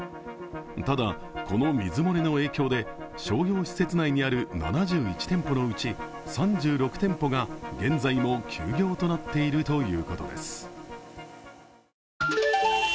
ただ、この水漏れの影響で商業施設内にある７１店舗のうち、３６店舗が現在も休業となっているということです。